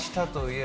え